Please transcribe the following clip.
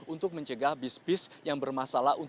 untuk mencegah bis bis yang bermasalah